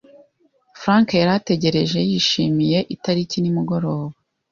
Frank yari ategereje yishimiye itariki nimugoroba.